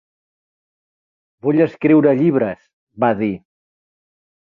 "Vull escriure llibres", va dir.